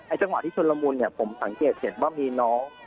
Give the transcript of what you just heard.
จังหวะที่ชนละมุนเนี่ยผมสังเกตเห็นว่ามีน้อง